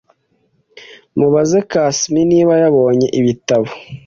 mubaze kassim niba yabonye ibitabo